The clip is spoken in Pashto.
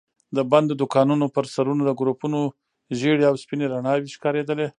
د بندو دوکانونو پر سرونو د ګروپونو ژېړې او سپينې رڼا وي ښکارېدلې.